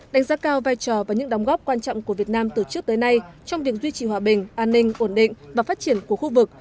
đánh giá cao vai trò và những đóng góp quan trọng của việt nam từ trước tới nay trong việc duy trì hòa bình an ninh ổn định và phát triển của khu vực